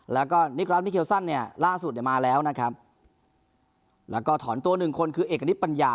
แล้วก็ล่าสุดมาแล้วนะครับแล้วก็ถอนตัวหนึ่งคนคือเอกณิตปัญญา